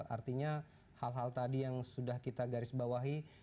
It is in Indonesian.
artinya hal hal tadi yang sudah kita garis bawahi